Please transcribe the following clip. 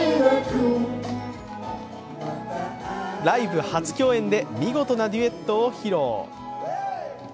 ライブ初共演で見事なデュエットを披露。